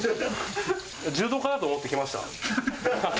柔道家だと思って来ました？